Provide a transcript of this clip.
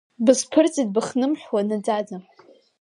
Бысԥырҵит быхнымҳәуа наӡаӡа.